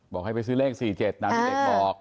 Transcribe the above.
บอกให้ไปซื้อเลข๔๗ตามที่เด็กบอก